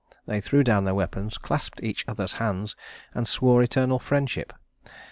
They threw down their weapons, clasped each other's hands, and swore eternal friendship.